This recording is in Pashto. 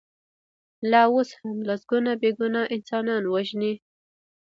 لا اوس هم لسګونه بې ګناه انسانان وژني.